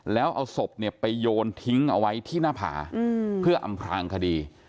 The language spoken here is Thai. แล้วเอาศพเนี่ยไปโยนทิ้งเอาไว้ที่หน้าผาเพื่ออำพลางคดี